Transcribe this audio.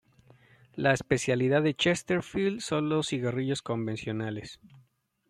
La especialidad de Chesterfield son los cigarrillos convencionales.